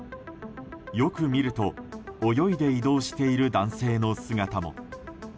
よく見ると泳いで移動している男性の姿も。